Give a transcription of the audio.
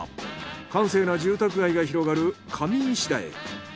閑静な住宅街が広がる上石田へ。